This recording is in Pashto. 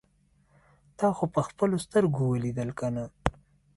تا خو په خپلو سترګو اوليدل کنه.